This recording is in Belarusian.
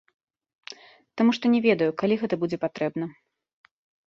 Таму што не ведаю, калі гэта будзе патрэбна.